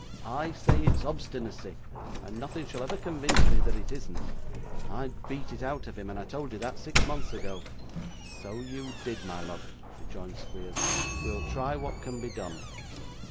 I say it's obstinacy, and nothing shall ever convince me that it isn't. I'd beat it out of him; and I told you that, six months ago.' 'So you did, my love,' rejoined Squeers. 'We'll try what can be done.